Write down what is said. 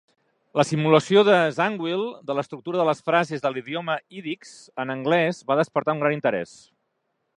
La simulació de Zangwill de l'estructura de les frases de l'idioma ídix, en anglès, va despertar un gran interès.